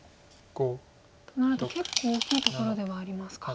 となると結構大きいところではありますか。